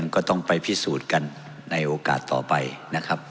ก็ต้องไปพิสูจน์กันในโอกาสต่อไปนะครับ